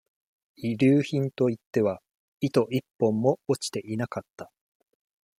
遺留品といっては、糸一本も落ちていなかった。